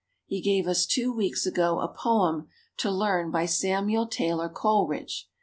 He gave us two weeks ago a poem to learn by Samuel Taylor Coleridge.